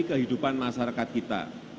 kehidupan masyarakat kita